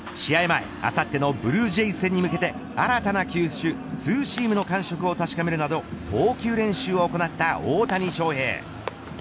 前、あさってのブルージェイズ戦に向けて新たな球種ツーシームの感触を確かめるなど投球練習を行った大谷翔平。